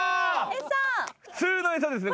普通の餌ですね。